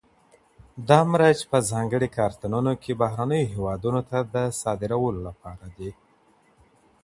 دا مرچ په ځانګړو کارتنونو کې بهرنیو هېوادونو ته د صادرولو لپاره دي.